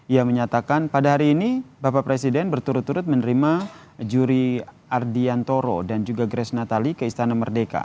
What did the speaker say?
ia menyatakan pada hari ini bapak presiden berturut turut menerima juri ardiantoro dan juga grace natali ke istana merdeka